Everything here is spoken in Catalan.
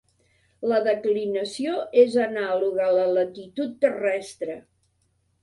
La declinació és anàloga a la latitud terrestre.